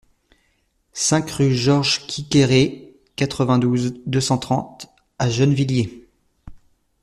cinq rue Georges Quiqueré, quatre-vingt-douze, deux cent trente à Gennevilliers